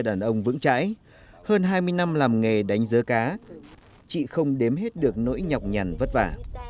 đàn ông vững chãi hơn hai mươi năm làm nghề đánh dớ cá chị không đếm hết được nỗi nhọc nhằn vất vả